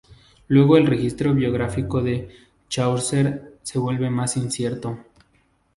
Luego el registro biográfico de Chaucer se vuelve más incierto.